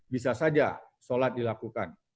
bisa saja sholat dilakukan